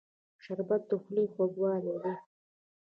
شربت د خولې خوږوالی دی